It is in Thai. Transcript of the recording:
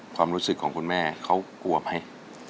ความรู้สึกของคุณแม่เขากลัวไหม